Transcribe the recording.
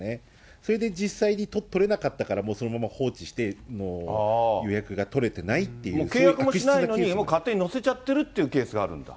それで、実際に取れなかったから、もうそのまま放置して、予約が取れてないっていう、契約もしてないのに、勝手に載せちゃってるっていうケースがあるんだ。